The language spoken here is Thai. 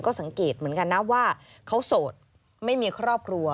ก็สังเกตเหมือนกันนะว่าเขาโสดไม่มีครอบครัว